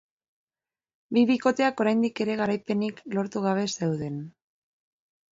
Bi bikoteak oraindik ere garaipenik lortu gabe zeuden.